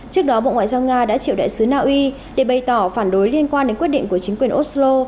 trước đó bộ ngoại giao nga đã triệu đại sứ naui để bày tỏ phản đối liên quan đến quyết định của chính quyền oslo